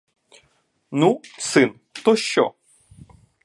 Ну, син, — то що?